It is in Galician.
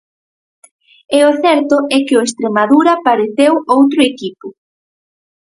E o certo é que o Estremadura pareceu outro equipo.